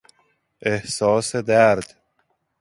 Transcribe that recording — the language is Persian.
احساس درد